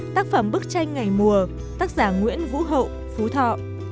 một mươi bốn tác phẩm bức tranh ngày mùa tác giả nguyễn vũ hậu phú thọ